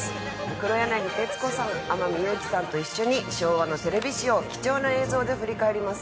黒柳徹子さん天海祐希さんと一緒に昭和のテレビ史を貴重な映像で振り返ります。